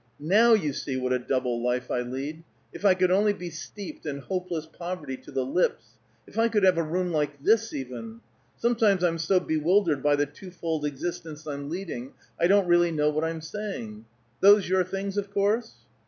Now you see what a double life I lead! If I could only be steeped in hopeless poverty to the lips! If I could have a room like this, even! Sometimes I'm so bewildered by the twofold existence I'm leading, I don't really know what I'm saying. Those your things, of course?"